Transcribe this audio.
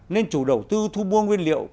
nên chủ đầu tư thu mua nguyên liệu